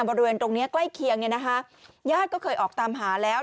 บริเวณตรงนี้ใกล้เคียงเนี่ยนะคะญาติก็เคยออกตามหาแล้ว